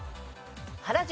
原宿。